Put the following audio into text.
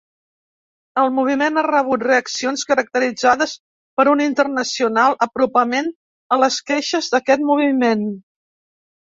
El moviment ha rebut reaccions caracteritzades per un intencional apropament a les queixes d'aquest moviment.